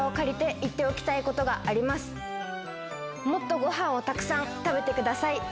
もっとごはんをたくさん食べてください。